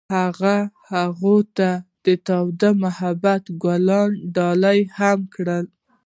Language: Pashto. هغه هغې ته د تاوده محبت ګلان ډالۍ هم کړل.